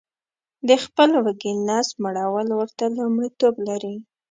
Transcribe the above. د خپل وږي نس مړول ورته لمړیتوب لري